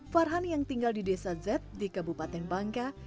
farhan yang tinggal di desa z di kabupaten bangka